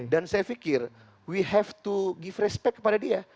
dan saya pikir we have to give respect kepada dia